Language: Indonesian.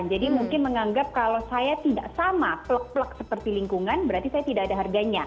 jadi mungkin menganggap kalau saya tidak sama plek plek seperti lingkungan berarti saya tidak ada harganya